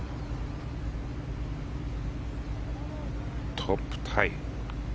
トップタイ。